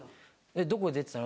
「どこ出てたの？」